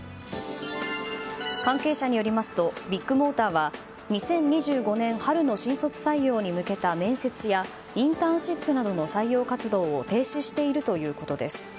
関係者によりますとビッグモーターは２０２５年春の新卒採用に向けた面接やインターンシップなどの採用活動を停止しているということです。